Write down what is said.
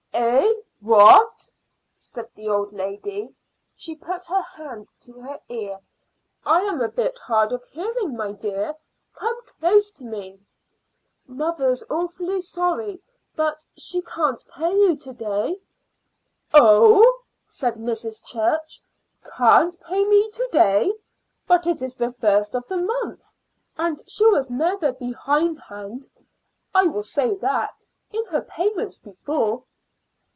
"Eh! What?" said the old lady. She put her hand to her ear. "I am a bit hard of hearing, my dear; come close to me." "Mother's awfully sorry, but she can't pay you to day." "Oh!" said Mrs. Church; "can't pay me to day! But it's the first of the month, and she was never behindhand I will say that in her payments before."